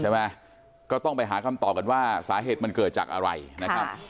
ก็ต้องไปหาคำตอบกันว่าสาเหตุมันเกิดจากอะไรนะครับ